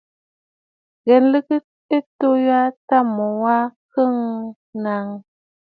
Ghɛ̀ɛ nlɨgə ɨkuu wa tâ mu wa kɔʼɔ nɔŋə.